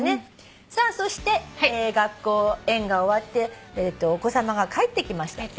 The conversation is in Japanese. そして学校園が終わってお子さまが帰ってきました。